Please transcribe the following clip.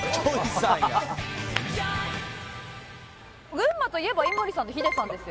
群馬といえば井森さんとヒデさんですよ。